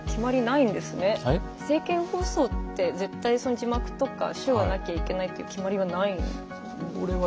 政見放送って絶対、字幕とか手話がなきゃいけないという決まりはないんですね。